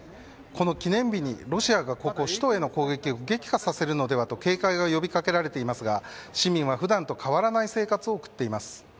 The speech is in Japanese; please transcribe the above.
この記念日にロシアが、ここ首都への攻撃を撃破させるのではないかと警戒が呼び掛けられていますが市民の普段と変わりない生活を送っています。